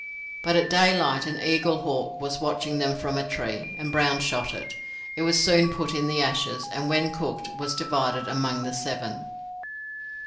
But at daylight an eaglehawk was watching them from a tree, and Brown shot it. It was soon put in the ashes, and when cooked was divided among the seven.